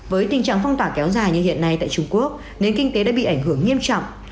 với tình trạng phong tỏa kéo dài như hiện nay tại trung quốc nền kinh tế đã bị ảnh hưởng nghiêm trọng